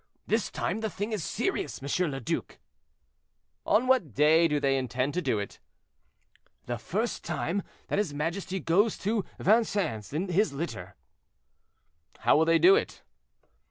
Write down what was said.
"This time the thing is serious, M. le Duc." "On what day do they intend to do it?" "The first time that his majesty goes to Vincennes in his litter." "How will they do it?"